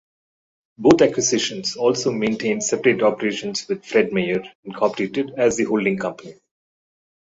Both acquisitions also maintained separate operations with Fred Meyer, Incorporated as the holding company.